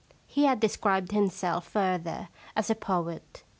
He had des cribed himself further as a poet.